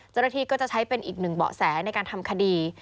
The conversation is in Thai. เจ้าหน้าที่ก็จะใช้เป็นอีกหนึ่งเบาะแสในการทำคดี